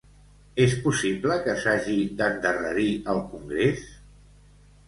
És possible que s'hagi d'endarrerir el congrés?